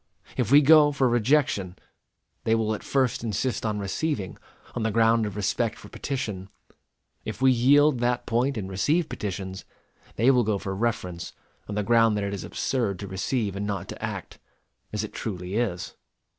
If we go for rejection, they will at first insist on receiving, on the ground of respect for petition. If we yield that point and receive petitions, they will go for reference, on the ground that it is absurd to receive and not to act as it truly is.